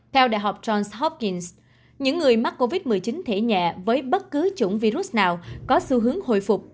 theo đại học tròn shopins những người mắc covid một mươi chín thể nhẹ với bất cứ chủng virus nào có xu hướng hồi phục